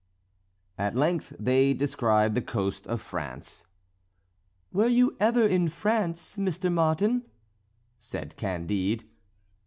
At length they descried the coast of France. "Were you ever in France, Mr. Martin?" said Candide.